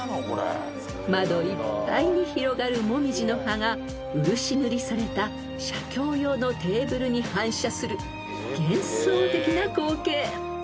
［窓いっぱいに広がるもみじの葉が漆塗りされた写経用のテーブルに反射する幻想的な光景］